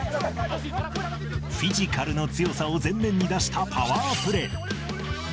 フィジカルの強さを前面に出したパワープレー。